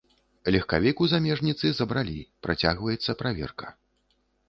Легкавік у замежніцы забралі, працягваецца праверка.